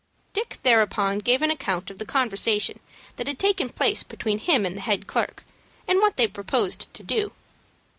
Dick thereupon gave an account of the conversation that had taken place between him and the head clerk, and what they proposed to do.